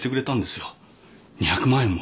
２００万円も。